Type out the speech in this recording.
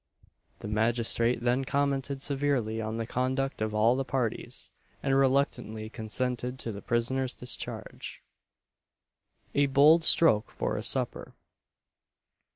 The magistrate then commented severely on the conduct of all the parties, and reluctantly consented to the prisoner's discharge. A BOLD STROKE FOR A SUPPER.